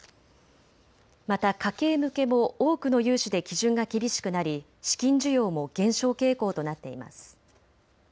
また家計向けも多くの融資で基準が厳しくなり資金需要も減少傾向となっています。